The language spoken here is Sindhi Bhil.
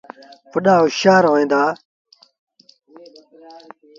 وڏآ هوشآر هوئيݩ دآ